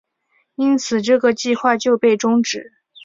因此这个计划就被终止。